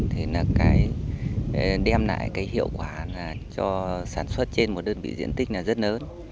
thì đem lại hiệu quả cho sản xuất trên một đơn vị diện tích rất lớn